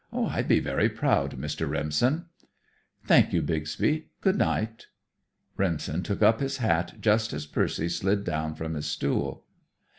"I'd be very proud, Mr. Remsen." "Thank you, Bixby. Good night." Remsen took up his hat just as Percy slid down from his stool.